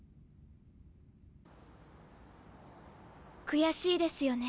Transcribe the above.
悔しいですよね。